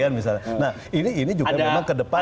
nah ini juga memang ke depan